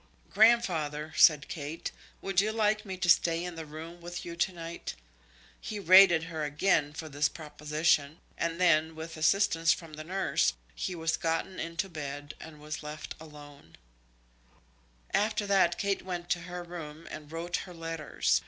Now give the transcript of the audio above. "Grandfather," said Kate, "would you like me to stay in the room with you to night?" He rated her again for this proposition, and then, with assistance from the nurse, he was gotten into bed and was left alone. [Illustration: The last of the old squire.] After that Kate went to her own room and wrote her letters.